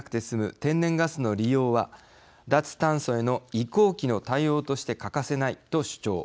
天然ガスの利用は脱炭素への移行期の対応として欠かせないと主張。